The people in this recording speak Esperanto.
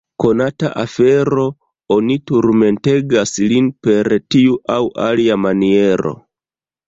Konata afero, oni turmentegas lin per tiu aŭ alia maniero.